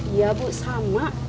iya bu sama